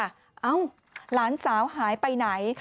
เอ้าหลานสาวหายไปไหน